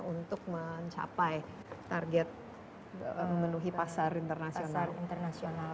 untuk mencapai target memenuhi pasar internasional